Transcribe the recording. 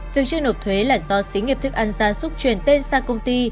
việc truyền nộp thuế là do xí nghiệp thức ăn ra xúc truyền tên sang công ty